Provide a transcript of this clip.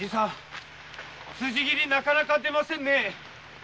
辻斬りなかなか出ませんねえ。